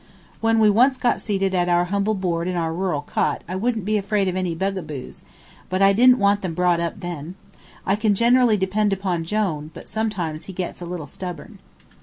When we once get seated at our humble board in our rural cot I won't be afraid of any bugaboos, but I didn't want them brought up then. I can generally depend upon Jone, but sometimes he gets a little stubborn.